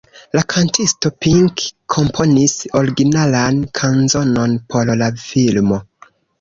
La kantisto Pink komponis originalan kanzonon por la filmo.